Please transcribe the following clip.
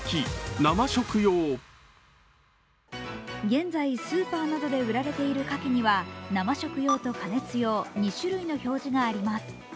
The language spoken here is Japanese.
現在、スーパーなどで売られているかきには生食用と加熱用２種類の表示があります。